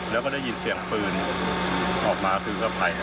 แล้วก็ได้ยินเสียงปืนออกมาซึ่งก็ไป